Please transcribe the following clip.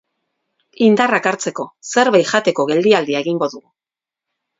Indarrak hartzeko, zerbait jateko geldiadia egingo dugu.